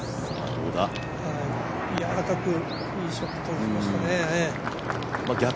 柔らかく、いいショットを打ちましたね。